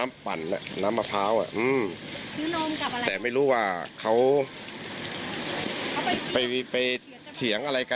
อยากให้ตำรวจรีบจับเลยนะค่ะ